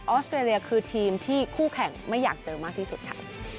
อสเตรเลียคือทีมที่คู่แข่งไม่อยากเจอมากที่สุดค่ะ